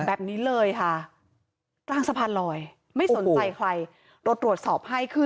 แบบนี้เลยค่ะกลางสะพานลอยไม่สนใจใครเราตรวจสอบให้คือ